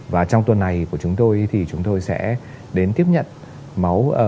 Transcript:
và trong tuần này của chúng tôi thì chúng tôi sẽ đến tiếp nhận máu